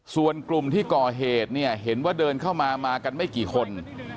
ส่วนกลุ่มที่ก่อเหตุเนี่ยเห็นว่าเดินเข้ามามากันไม่กี่คน